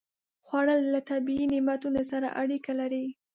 خوړل له طبیعي نعمتونو سره اړیکه لري